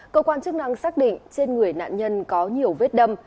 cơ quan chức năng xác định trên người nạn nhân có nhiều vết đâm